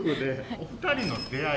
お二人の出会い